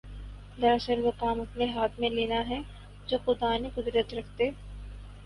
دراصل وہ کام اپنے ہاتھ میں لینا ہے جوخدا نے قدرت رکھتے